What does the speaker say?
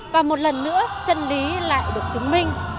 và một lần nữa chân lý lại được chứng minh